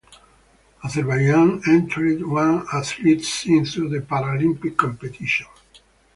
Azerbaijan entered one athletes into the Paralympic competition.